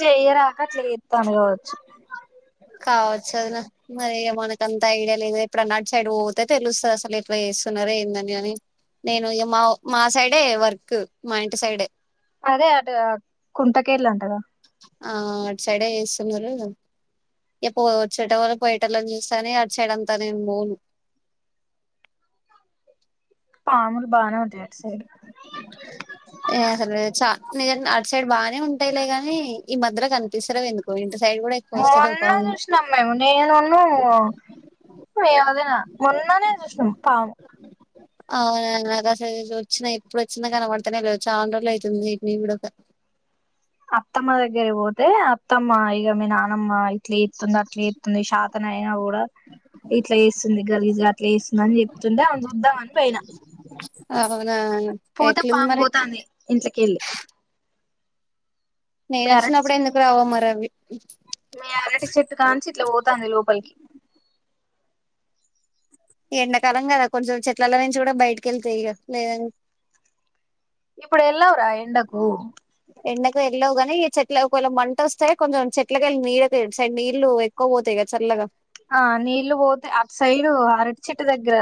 చెయరాక చేయతాంది కావచ్చు కావచ్చు అద నా మరి మనకు అంత ఐడియా లేదు ఇప్పుడు నాటి సైడ్ పోతే తెలుస్తుంది అసలు ఇట్లా చేస్తున్నారుార ఏందని అని నేను ఇ మా మా సైడే వర్క్ మా ఇంటి సైడే అదే అద కుంటకెల్ అను అద ఆ అటు సైడే చేస్తున్నారు ఇప్పు వచ్చేట వల్ల పోయేటళని చూస్తాని అటు సైడ్ అంతా నేను బోను పాములు బానే వత్ ఏ చ నిజ అట్ సైడ్ బా ఉంటాయిలే గాని ఈ మధ్ర కనిపిస్తారు ఎందుకో ఇంట మొన్న చూసినమ్ నేనును మే అదేనా మొన్ననే చూసినాం పాము అవునా నాకసలు జొచ్చినా ఎప్పుడు వచ్చిన కనపడుతనే లే చాన్ రోజులు ఐతంది నేటిని చూడక అత్తమ్మ దగ్గర పోతే అత్తమ్మ ఇక మీ నానమ్మ ఇట్ల ఎత్స్తుంది అట్లా ఎతుంది శాతన అయినా కూడా ఇట్లా వేస్తుంది గలీజ్గా అట్లా వస్తుంది అని చెప్తుంటే అను చూద్దామ అని పైన ఆ పోతే పామ్ పోతాంది ఇంట్ల కెళ్ళి నెన్ అచ్చినపుడు ఎందుకు రావో మరవి ఇవి మే ఆనటి చెట్టు కాంచి ఇట్ల వొత్ తంది లోపలికి ఎండాకాలం కదా కొంచెం చెట్లాల నుంచి కూడా బయటికిళ్తే ఇగ లేదన్ ఇప్పుడు ఎల్ ఎలవ్ రా ఎండకు వెళ్లవుగాని ఈ చెట్లవేలా మంట వస్తే కొంచెం చెట్ల వెళ్ళ నీళ్ళ సడ్ నీళ్ళలు ఎక్కువ పోతాయి కద చల్లగా ఆ నీళ్లు పోతే ఆ సైడు అరటి చెట్టు దగ్గర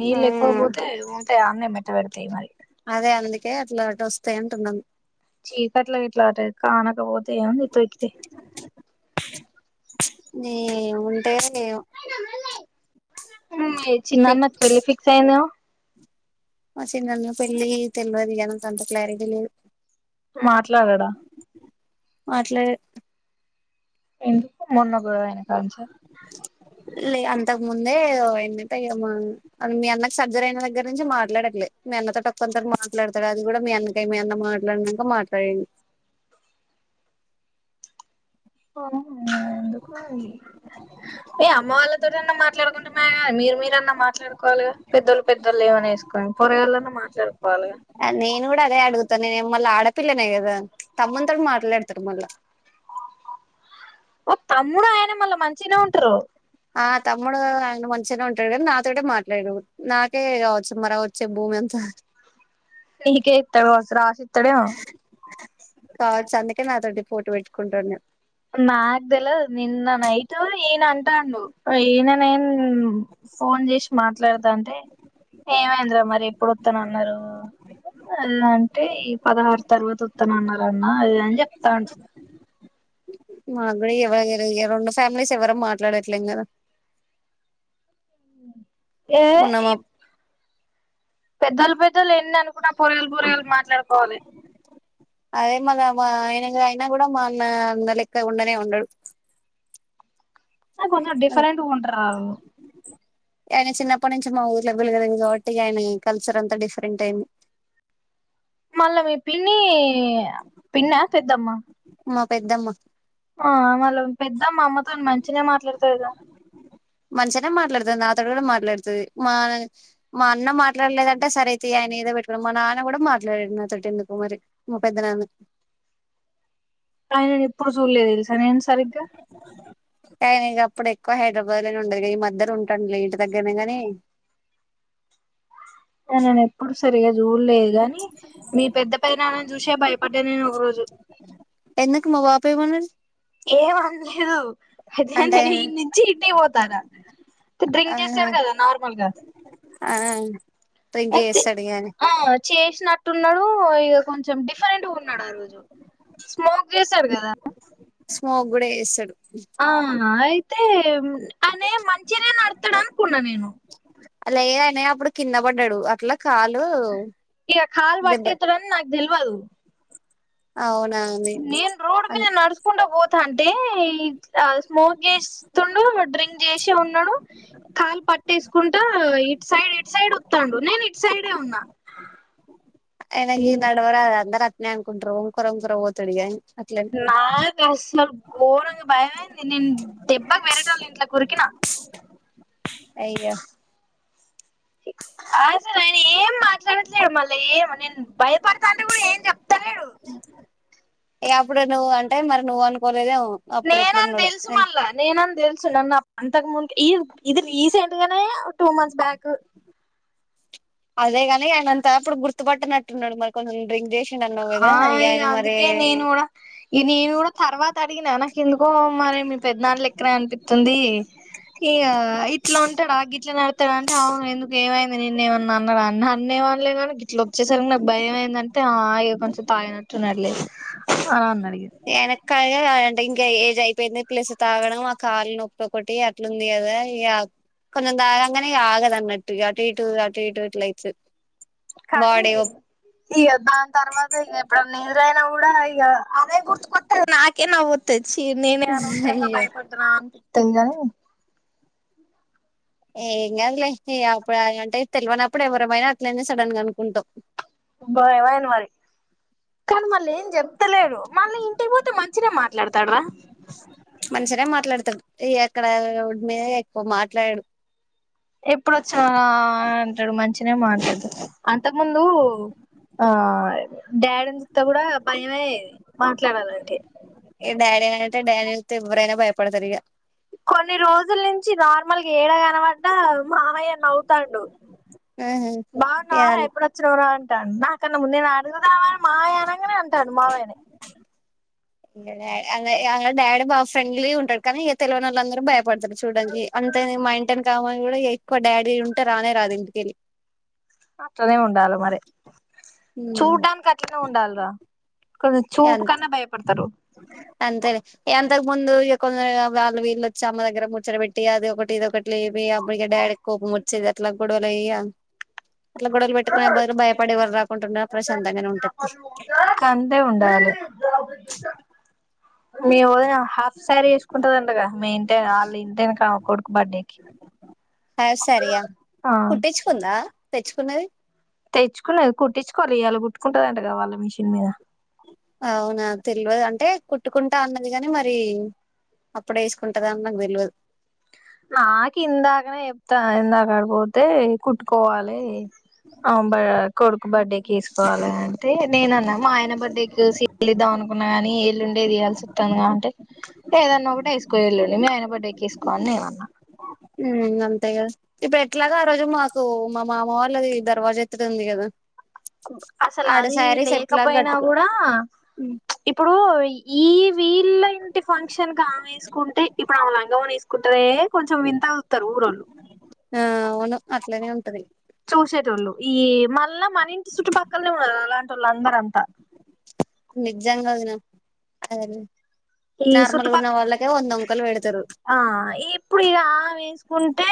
నీళ్ళు ఎక్కువ పోతే ఉంటాయా మెట్ట పెడు తెయి మరి అదే అందుకే అట్లా అ వస్తాయి అంటున్నాను చీకట్లా ఇట్లా కానకపోతే ఏముంది తకితే న ఉంటే చిన్నన్న కి పెళ్ళి ఫిక్స్ అయింది గా మ చిందన్న పెళ్ళి తెల్వదుగ నాంతంత క్లారిటీ లేదు మాట్లాడడా మాట్లా ఎ మొన్న గొడవా అయిన కాదనుంచి ఇంతకు ముందే ఎంట మీ అన్నకు సర్జరయిన దగ్గర నుంచి మాట్లాడట్లేదు మీ అన్నతో తక్ కొంతర మాట్లాడతాడు అది కూడా మీ అన్నక మీ అన్న మాట్లాడినాక మాట్లాడండి ఎందుకు ఏ అమ్మ వాళ్ళతోటి అన్నా మాట్లాడుకుంటున్నా మీరు మీరన్నా మాట్లాడుకు వాలగా పెద్దలు పెద్దళ్లు ఏమనిసుకొని పొరగాళ్ళన్నా మాట్లాడుకోవాలి నేను కూడా అదే అడుగుతాను నేను మళ్ళా ఆడపిల్లనే కదా తమ్మతో మాట్లాడతారు మళ్ళా ఓ తమ్ముడు ఆయన మళ్ళా మంచినే ఉంటారు ఆ తమ్ముడు ఆయన మంచిగానే ఉంటాడు కానీ నాతోటే మాట్లాడు నాకే కావచ్చు మర వచ్చే భూమి అంత మీకే ఇతేస్రా రాశ తడ కావచ్చు అందుకే నాతోది పోటు పెట్టుకుంటా ఉండు నాకు తెలదు నిన్న నైట్ ఈయన అంటాడు ఈయన నేను ఫోన్ చేసి మాట్లాడదా అంటే ఏమైందిరా మరి ఎప్పుడు వస్తాన అన్నారు అ అంటే ఈ పదహారు తర్వాత వస్తాన అన్నారు అన్న చెప్తాంట మాగుడ ఎవరిర రెండు ఫ్యామిలీస్ ఎవరం మాట్లాడట్లేం కదా ఏ మొన్న మా పెద్దలు పెద్దలు ఎన్ని అనుకున్న పొరయలు పొరలు మాట్లాడుకోవాలి అదే మన మా ఆయన అయినా కూడా మా అన్న అంద లెక్క ఉండనే ఉండడు కొంచం డిఫరెంట్ ఉంటరా ఆయన చిన్నప్పటి నుంచి మా ఊర్లో వెలుగదం కాబట్టి ఆయన కల్చర్ అంతా డిఫరెంట్ అయింది మళ్ళా మీ పిన్ని పిన్న పెద్దమ్మ మా పెద్దమ్మ ఆ మల్ల పెద్దమ్ మా అమ్మతో మంచిన మాట్లాడతారు కదా అతడు కూడా మాట్లాడుతుది మా మా అన్న మాట్లాడలేదంటే సరే అయితే ఆయన ఏదో పెట్టుకున్నా మా నాన్న కూడా మాట్లాడాడు అతడు ఎందుకు మరి మా పెద్ద నాన్న అయినడి ఎప్పుడు చూడలేదు తెలుసా నేను సరిగ్గా కాయనీ ఇక అప్పుడు ఎక్కువ హైదరాబాద్ లోనే ఉండదు కా ఈ మధర ఉంటాం ఇంటి దగ్గరనే గానీ ఆ నను ఇప్పుడు సరిగా చూలేదు కానీ మీ పెద్ద పెద్ద నాన్నని చూసే భయపడ్డా నేను ఒక రోజు ఏమని ఏమంది అయి అంటే నేను ఇ నుంచి ఇంటి కి పోతాదట డ్రింక్ ఆహా చేసాడు కదా నార్మల్గా ఆ డ్రింక్ అయితే చేస్తాడు ఇగ అని ఆ. చేసినట్టున్నాడు ఇగ కొంచెం డిఫరెంట్గా ఉన్నాడు ఆ రోజు స్మోక్ చేసాడు కదా స్మోక్ కూడా చేస్తడు ఆ ఆ అయితే అనే మంచినే నడతాడు అనుకున్నా నేను అలా అయన అప్పుడు కింద పడ్డాడు అట్లా కాలు ఇగ కాల్ దెబ్బ బట్టేం నా తెల్వదు అవును నేను రోడ్ మీద నడుచకుంటూ పోతాంటే స్మోక్ చేస్తుండు డ్రింక్ చేసి ఉన్నాడు కాలు పట్టేసుకుంటా ఇటు సైడ్ ఇటు సైడ్ వత్తాండు నేను ఇటు సైడే ఉన్నా. ఆయనికి నడవరాదు అందర్ నే అన్కుంటరు ఒంకర్ ఒంకరా పోతాడిగా ఆయన నాకు అసలు గోరంగ భయమైంది నేను దెబ్బాకి వెరోటోల ఇంట్లో కురికినా అయ్య అసలు ఆయన ఏం మాట్లాడట్లేదు మళ్ళీ ఏమో నేను భయపడతా అంటే కూడా ఏం చెప్తలేడు. ఇగ అప్పుడు నువ్వు అంటే మరి నువ్వు అనుకోని నేనని తెలుసు మళ్ళా నేనని తెలుసు నన్న తకు ముందు ఈ ఇది రీసెంట్ గానే టూ మంత్స్ బ్యాక్ అదేగాని ఆయన అంతా అప్పుడు గుర్తుపట్టినట్టున్నాడు మరి కొంచెం డ్రింక్ చేసిండు అన్నావు కదా ఆ ఇగ ఆయన మరి అందుకే నేను కూడా ఈ నేను కూడా తర్వాత అడిగినా నాకు ఎందుకో మరి మీ పెద్దాళ్ళ ఎక్కడ అనిపిస్తుంది ఈ ఇట్లా ఉంటాడా ఇట్లా నడతాడు అంటే ఎందుకు ఏమైంది నేన్న ఏమన్నా అన్నా నన్నేం అనలే కానీ గిట్లా వచ్చేసరికి నాకు భయంమయిందంటే ఆ ఇగ కొంచెం తాగినట్టు ఉన్నాడు లే ఆ అన్నాడు ఇగ ఎనక అంటే ఇంకా ఏజ్ అయిపోయింది ప్లస్ తాగడము ఆ కాళ్ళ నొప్పి ఒకటి అట్లుంది కదా ఇక కొంచెం తాగాంగానే ఆగదు అన్నట్టు అటు ఇటు అటు ఇటు ఇట్ల అయితది. కానీ బాడీ అయ్యో ఇగ దాని తర్వాత ఇక ఎప్పుడన్న ఎదనా కూడా ఇగ అదే గుర్తు కొత్తది నాకే నవ్వుతది చీ నేనే అనవసరంగా భయపడుతున్నా అనిపిస్తుంది గానీ ఏం కాదులే ఇగ అప్పుడు అంటే తెలివనప్పుడు ఎవరమైనా అట్లనే సడన్ గా అనుకుంటాం భయం అయింది మరి కానీ మళ్ల ఏం చెప్తలేడు మళ్ళీ ఇంటికి పోతే మంచిినే మాట్లాడతాడ్ రా అదే మాట్లాడతాడ్ ఎ ఎక్కడా మీద ఎక్కువ మాట్లాడడు ఎప్పుడు వచ్చావ్ రా అంటడు మంచిి నె మాట్లాడతాడు అంతక్ ముందు ఆ డాడీన్ తో కూడా భయమయేది మాట్లాడాలంటే ప డాడీ అని అంటే డాడి అయితే ఎవ్వరైనా భయపడతారు ఇక కొన్ని రోజుల్ నుంచి నార్మల్ ఏడగనడ్డ మామయ్య నవ్వుతాండు ఆహా బాగున్న ఆహా ఎప్పుడొచ్చినరా అంట అంటా నాకన్నా ముందె నేను అడుగుదావా మామయ్య అనగానే అంటాను మావయ్యని ఇ అ అ డాడీ బా ఫ్రెండ్లీ ఉంటాడు కానీ తెలియని వాళ్ళ అందరూ భయపడతారు చూడానికి అంతే మా ఇంటిని కామని కూడా ఎక్కువ డాడీ ఉంటే రానే రాదు ఇంటికెళ్ళి అట్లానే ఉండాల మరి చూడ్డం గట్లే ఉండాలరా ఎన్ అంతే లె ఎం ఇంతకు ముందు ఇ కొ వాళ్ళు వీళ్ళ వచ్చి అమ్మ దగ్గర ముచ్చడి పెెట్టి అది ఒకటి ఇది ఒకటి అప్పుక డాడీకి కోపముచ్చేది అట్ల కూడ అయ అట్ల గొడవలు పెట్టుకునే బదులు భయపడే ఎవరు రాకుంుండ అడు ప్రశాంతంగానే ఉంటది అంతే ఉండాలి మీ వదినా హాఫ్ సారీ వేసుకుంటదంటగా మీ ఇంటే వాళ్ళు ఇంటె ఆ కొడుకు బర్డేకి సరిగా కుట్టించుకుందా తెచ్చుకున్నది తెచ్చుకునేది కుట్టిచుకోవాలి ఇయాళ కుట్టుకుంటదంటగా వాళ్ళ మిషిన్ మీద అవున తెలవదు అంటే కుట్టుకుంటా అన్నది గాని మరి అప్పుడే వేసుకుంటద అని నాకు తెలియదు నాక్ ఇందాకనే చెప్తా ఇందాక అటు పోతే కుట్టుకోవాలి అమ్ బ కొడుకు బర్త్డేకి వేసుకోవాలె అంటే నేన్ అన్న మా ఆయన బర్త్డే కేసి వెళ్లిద్దాం అనుకున్నా గాని ఎల్లుండి ఏయాల్సి వస్తుుందింటే ఏదన్న ఒక టె వేసుకో ఎల్లుండి మీ ఆయన బర్త్డే కసుకో కామనేగ ఉమ్ అంతే కదా ఇప్పుడ్ ఎట్ల గొ ఆ రోజు మాకు మా మామ వాళ్ళది దర్వాజ ఎత్తుడి ఉంది కదా అసల్ ఆడ అది శారీస్ ఎట్లాగ లేకపోయిన కట్టుకు కూడా ఉమ్, ఇప్పుడు ఈ వీళ్ళ ఇంటి ఫంక్షన్ కి ఆమె వేసుకుంటే ఇప్పుడు ఆ లంగమ వే కుంటరే కొంచెం వింతగ చూత్తారు ఊరోళ్ళు ఆ అవును అట్లనే ఉంటది చూసేటోళ్ళు ఈ మళ్ళ మన ఇంటి చుట్టుపక్కలనే ఉన్నారు అలాంటోళ్ళు అందరంతా నిజంగాన స్వారి ఈ చుట్టుపక్క పెడతారు ఆ ఇప్పుడు ఇ గా వేసుకుంటే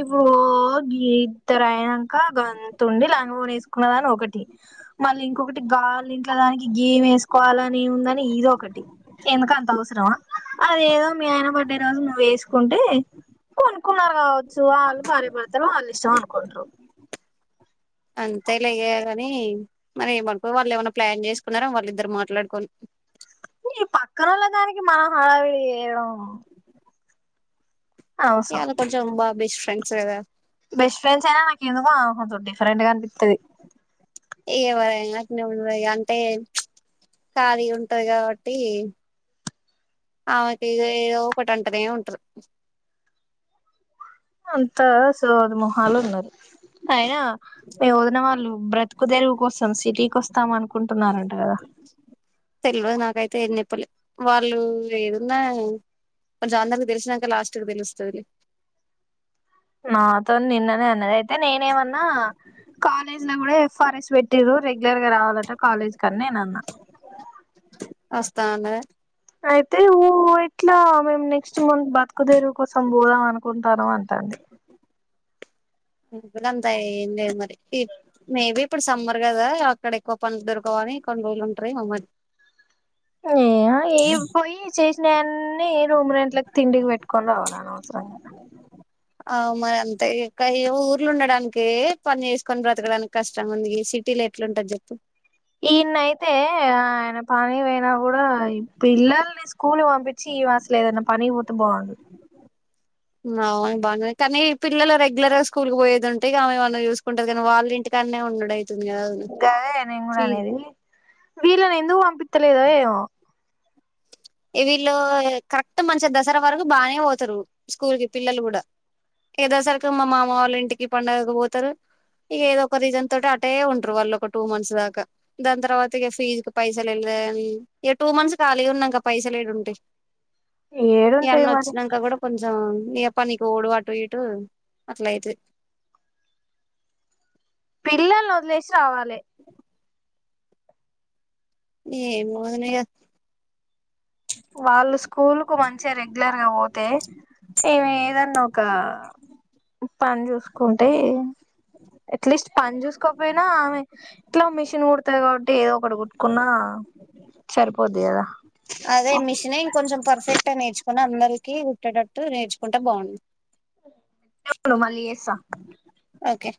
ఇప్పుడు ఇత్తర అయినాక గంతుండి లంగ ఒనీ వేసుకున్నదని ఒకటి మళ్ళీ ఇంకొకటి గాలి ఇంట్లో దానికి గీమ్ వేసుకోవాలని ఉందని ఇది ఒకటి ఎందుకంత అవసరమా అది ఏదో మీ ఆయన బర్ బర్డె రోజు నువ్వు వేసుకుంటే కొనుకున్నారు కావచ్చు వాళ్ళు భార్యపడతారు వాళ్ళు ఇష్టం అనుకుంటారు అంతే లే ఏ కాని మరి మ వాళ్ళు ఏమైన్నా ప్లాన్ చేసుకున్నారా వాళ్ళిద్దరు మాట్లాడుకొని ఈ పక్కనోళ్ళ దానికి మనం హడావిడి చేయడం అనవసరం ఇయాల కొంచం బాగ్ బెస్ట్ ఫ్రెండ్స్ కదా బెస్ట్ ఫ్రెండ్స్ అయినా నాకెందుకో ఆవ కొంచం డిఫరెంట్గా అనిపిత్తది. ఏవరైనా అట్నే ఉంటరు అంటే ఖాళీగా ఉంటది కావట్టి ఆమెకి ఇదో ఏదో ఒకటి అంటనే ఉంటరు అంతా సోది మొహాలు ఉన్నారు అయినా మి వదినా వాళ్ళు బ్రత్ క్ దెరువు కోసం సిటీకి వస్తాం అనుకుం తెల్వదు నాకైతే ఏం చెప్పలే వాళ్ళు ఏదున్నా కొంచం అందరికి తెలిసినంక లాస్ట్ కు తెలుస్తదిలే. నాతో నిన్ననే అన్నది అయితే నేనేమన్నా కాలేజ్ లో కూడా ఎఫారెస్ట్ వెట్టిరు రెగ్ రెగ్యులర్ గా రావాలంట కాలేజ్ కని నేను అన్నా వస్తా అన్నదే అయితే ఓ ఇట్లా మేము నెక్స్ట్ మంత్ బతుకుదెరువు కోసం పోదాం అనుకుంటానం అంటుంది. ఉమ్ గంతా ఏం లేదు మరి మేబీ ఇప్పుడు సమ్మర్ కదా అక్కడ ఎక్కువ పనులు దొరకవు అని కొన్ని రోజులు ఉంటరేమో మరి. ఉమ్ ఏ ఏవి పోయి చేసినయన్ని రూమ్ రెంట్లకి తిండికి పెట్టుకొని రావాల అనవసరంగా. అవు మరి అంతే ఏ ఊర్ల ఉండడానికే పని చేేసుకొని బ్రతకడానికి కష్టం ఉంది సిటీ లో ఎట్లా ఉంటది చెప్పు. ఈన్న అయితే ఆయన పని పోయినా కూడా పిల్లలని సూ స్కూలు పంపించి ఈవా అసలు ఏదన్న పనికి పోతే బావుండు. ఉమ్ అవును బానే కానీ పిల్లలు రెగ్యులర్ గా స్కూల్కి పోయేదుంటే ఇగ ఆమెమన్న చూసుకుంటది కానీ వాళ్ళు ఇంటికానే ఉండుడు అ గదే నేను కూడా అనేది వీళ్ళని ఎందుకు పంపిత్తలే దో ఏమో వీళ్ళు కరెక్ట్ మంచిగా దసరా వరకు బాగానే పోతరు స్కూల్ కి పిల్లలు కూడా, ఇగ దసరాకి మా మామ వాళ్ళ ఇంటికి పండగకు పోతరు. ఇగ ఏదో ఒక రీజన్ తోటి అటే ఉంటరు, వాళ్ళు ఒక టూ మంత్స్ దాకా దాని తర్వాత, ఇగ ఫీజు కు పైసలు లేదని ఇగ టూ మంత్స్ ఖాళీగా ఉన్నాంక పైసలేడుంటయి ఈ అన్న ఏడుంటాయి మరి వచ్చినంక కూడా కొంచం ఇగ పనికి ఓవుడు అటు ఇటు అట్ల అయితది. పిల్లల్ని వదిలేసి రావాలే. ఏమో వదిన ఇగా వాళ్ళు స్కూల్ కు మంచిగా రెగ్యులర్ గా ఓతే ఈమే ఏదన్నా ఒక పని చూసుకుంటే ఎట్లిస్ట్ పని చూసుకోపోయినా ఆవే ఇంట్లో మిషిన్ కుడుతది కాబట్టి ఏదో ఒకటి కుట్టుకున్నా సరిపోద్ది కదా. అదే మిషీన్ ఇంకొంచెం పర్ఫెక్ట్గా నేర్చుకుని అందరి కి కుట్టేటట్టు నేర్చుకుంటే బావుం [inaudible] మళ్లీ చేస్తా ఓకే